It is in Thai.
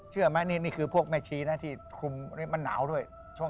เชื่อไหมนี่คือพวกแม่ชีนะที่คุมมันหนาวด้วย